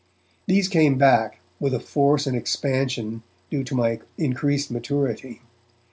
These came back, with a force and expansion due to my increased maturity.